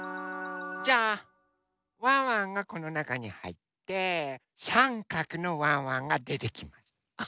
じゃあワンワンがこのなかにはいってさんかくのワンワンがでてきます。